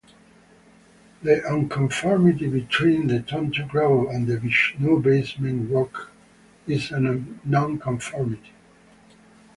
The unconformity between the Tonto Group and the Vishnu Basement Rocks is a nonconformity.